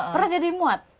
pernah jadi muat